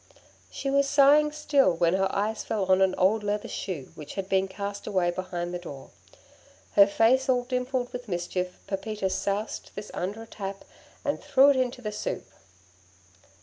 She was sighing still when her eyes fell on an old leather shoe which had been cast away behind the door. Her face all dimpled with mischief, Pepita soused this under a tap, and threw it into the soup.